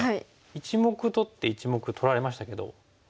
１目取って１目取られましたけどどうですか？